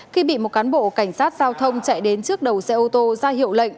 khi bị một cán bộ cảnh sát giao thông chạy đến trước đầu xe ô tô ra hiệu lệnh